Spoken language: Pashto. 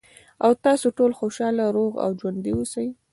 ، او تاسې ټول خوشاله، روغ او ژوندي اوسئ.